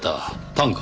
短歌？